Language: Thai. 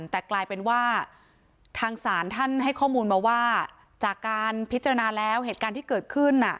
แต่กลายเป็นว่าทางศาลท่านให้ข้อมูลมาว่าจากการพิจารณาแล้วเหตุการณ์ที่เกิดขึ้น